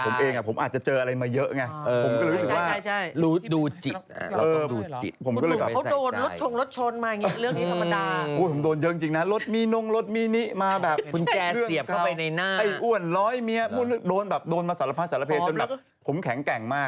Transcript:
คือจริงถ้าเกิดเรามองเป็นเรื่องตลกมันตลกนะ